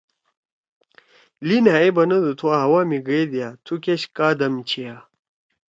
لین ہأ یے بنَدو تھو ہوا می گئدیا تھو کیش کا دم چھیا۔